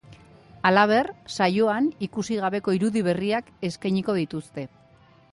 Halaber, saioan ikusi gabeko irudi berriak eskainiko dituzte.